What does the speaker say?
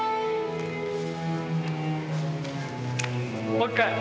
もう一回。